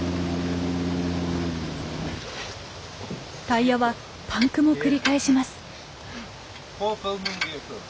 タイヤはパンクも繰り返します。